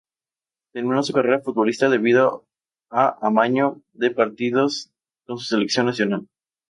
Terminó su carrera futbolística debido a amaño de partidos con su selección nacional.